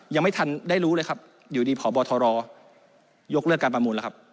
ยังไม่ทันได้รู้เลยครับอยู่ดีพบทรยกเลิกการประมูลแล้วครับ